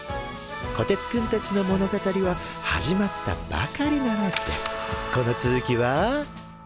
こてつくんたちの物語は始まったばかりなのです。